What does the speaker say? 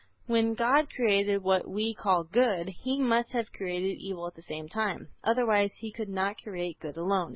When God created what we call good, He must have created evil at the same time, otherwise He could not create good alone.